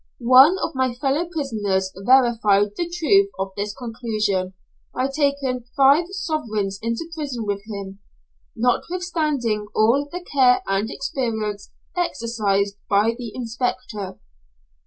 One of my fellow prisoners verified the truth of this conclusion by taking five sovereigns into prison with him, notwithstanding all the care and experience exercised by the inspector.